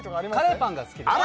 カレーパンが好きです